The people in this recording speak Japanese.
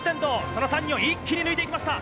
その３人を一気に抜いていきました。